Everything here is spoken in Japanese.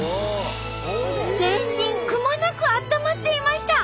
全身くまなくあったまっていました！